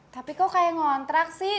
tapi kok kayak ngontrak sih